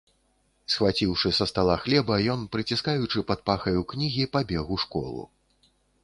Схваціўшы са стала хлеба, ён, прыціскаючы пад пахаю кнігі, пабег у школу.